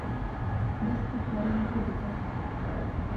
dest bi xwarina xwe dikin.